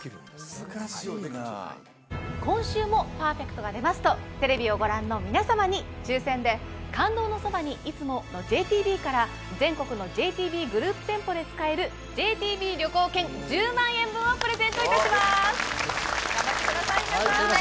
難しいな今週もパーフェクトが出ますとテレビをご覧の皆様に抽選で「感動のそばに、いつも。」のＪＴＢから全国のＪＴＢグループ店舗で使えるＪＴＢ旅行券１０万円分をプレゼントいたします頑張ってください